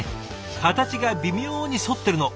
形が微妙に反ってるの。